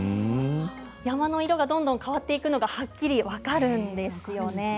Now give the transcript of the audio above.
山の色がどんどん変わっていくのが、はっきり分かるんですよね。